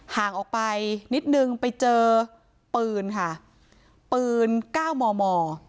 ห่างออกไปนิดนึงไปเจอปืนค่ะปืนเก้ามอมอ